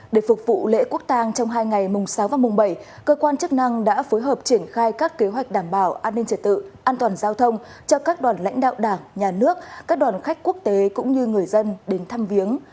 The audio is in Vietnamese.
để phục vụ lễ quốc tàng trong hai ngày mùng sáu và mùng bảy cơ quan chức năng đã phối hợp triển khai các kế hoạch đảm bảo an ninh trật tự an toàn giao thông cho các đoàn lãnh đạo đảng nhà nước các đoàn khách quốc tế cũng như người dân đến thăm viếng